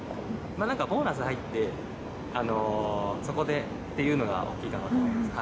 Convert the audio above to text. なんかボーナス入って、そこでっていうのが大きいかなと思います。